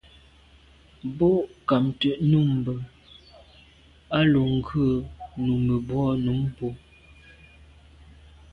Bo ghamt’é nummb’a lo ghù numebwô num bo.